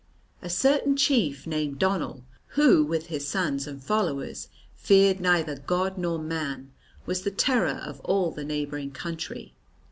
A certain chief named Donnell, who with his sons and followers feared neither God nor man, was the terror of all the neighbouring country.